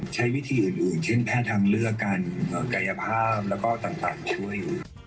ใช้วิธีอื่นเช่นแพทย์ทางเลือกการกายภาพแล้วก็ต่างช่วยอยู่